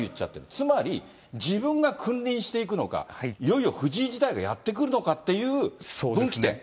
つまり、自分が君臨していくのか、いよいよ藤井時代がやって来るのかっていう、分岐点？